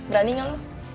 berani gak lo